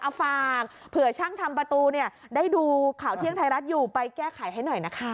เอาฝากเผื่อช่างทำประตูเนี่ยได้ดูข่าวเที่ยงไทยรัฐอยู่ไปแก้ไขให้หน่อยนะคะ